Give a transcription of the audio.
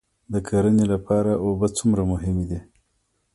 د کرنې لپاره اوبه څومره مهمې دي؟